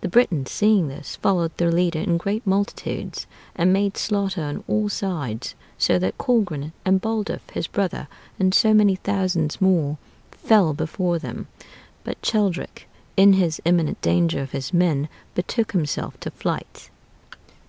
The Britons, seeing this, followed their leader in great multitudes, and made slaughter on all sides; so that Colgrin and Baldulph, his brother, and many thousands more, fell before them. But Cheldric, in his imminent danger of his men, betook himself to flight.